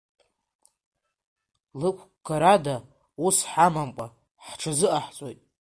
Лықәгарада ус ҳамамкәа, ҳҽазыҟаҳҵоит.